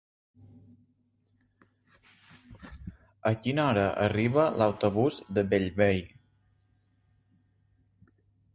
A quina hora arriba l'autobús de Bellvei?